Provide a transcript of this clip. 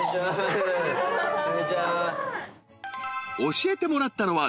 ［教えてもらったのは］